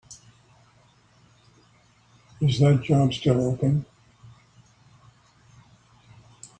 Is that job still open?